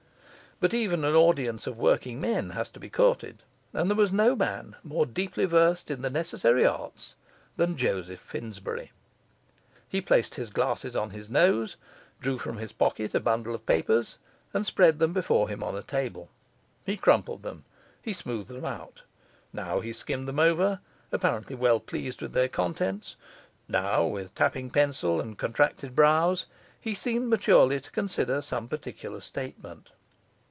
But even an audience of working men has to be courted, and there was no man more deeply versed in the necessary arts than Joseph Finsbury. He placed his glasses on his nose, drew from his pocket a bundle of papers, and spread them before him on a table. He crumpled them, he smoothed them out; now he skimmed them over, apparently well pleased with their contents; now, with tapping pencil and contracted brows, he seemed maturely to consider some particular statement.